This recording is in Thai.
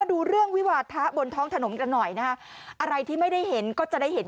ดูเรื่องวิวาทะบนท้องถนนกันหน่อยนะฮะอะไรที่ไม่ได้เห็นก็จะได้เห็น